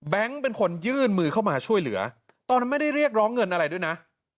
เป็นคนยื่นมือเข้ามาช่วยเหลือตอนนั้นไม่ได้เรียกร้องเงินอะไรด้วยนะ